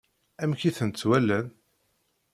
Amek i tent-walan?